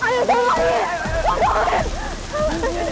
pang elan jatuh ke dasar gerang